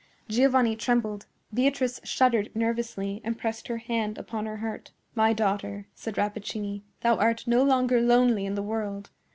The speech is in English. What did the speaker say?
Giovanni trembled. Beatrice shuddered nervously, and pressed her hand upon her heart. "My daughter," said Rappaccini, "thou art no longer lonely in the world.